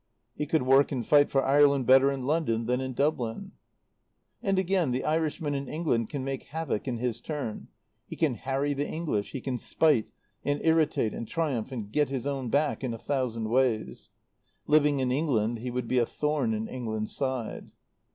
He could work and fight for Ireland better in London than in Dublin. And again, the Irishman in England can make havoc in his turn; he can harry the English, he can spite, and irritate and triumph and get his own back in a thousand ways. Living in England he would be a thorn in England's side.